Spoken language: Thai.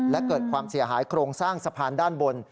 และเกิดความเสียหายโครงสร้างสะพานด้านบน